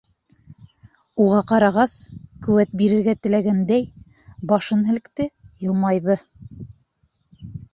Уға ҡарағас, ҡеүәт бирергә теләгәндәй, башын һелкте, йылмайҙы.